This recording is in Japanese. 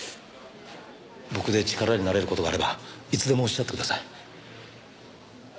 僕で力になれる事があればいつでもおっしゃってください。